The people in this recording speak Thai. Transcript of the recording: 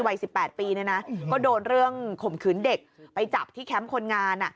วัยสิบแปดปีนะโดนเรื่องข่มขืนเด็กไปจับที่แคมป์คนงาน